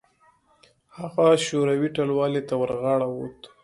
هغه شوروي ټلوالې ته ورغاړه وت.